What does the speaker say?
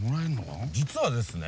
実はですね